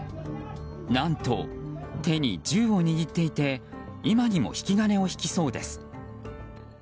何と、手に銃を握っていて今にも引き金を引きそうです。